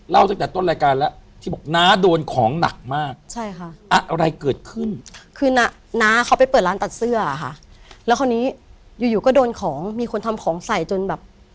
เล่าตั้งแต่ต้นรายการแล้วที่บอกนะโดนของหนักมาก